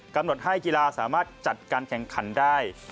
กำหนดให้กีฬาสามารถจัดการแข่งขันได้